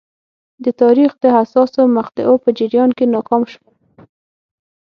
د تاریخ د حساسو مقطعو په جریان کې ناکام شول.